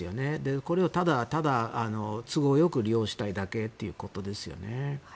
これをただただ、都合よく利用したいだけということですよね。